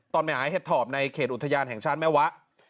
ไปหาเห็ดถอบในเขตอุทยานแห่งชาติแม่วะ